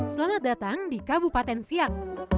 selamat datang di kabupaten siak